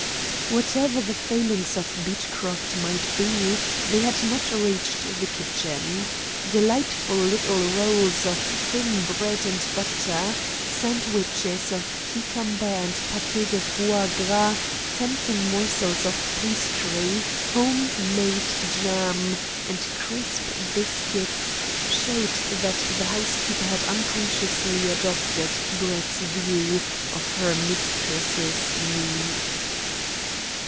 Whatever the failings of Beechcroft might be, they had not reached the kitchen. Delightful little rolls of thin bread and butter, sandwiches of cucumber and paté de foie gras, tempting morsels of pastry, home made jam, and crisp biscuits showed that the housekeeper had unconsciously adopted Brett's view of her mistress's needs.